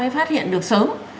phát hiện được sớm